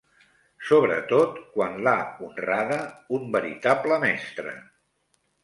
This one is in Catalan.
Sobretot quan l'ha honrada un veritable mestre